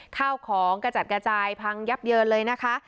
ข้าวของกระจัดกระจายพังยับเยินเลยนะคะ